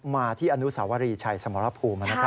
มาที่อนุสวรีชัยสมรภูมินะครับ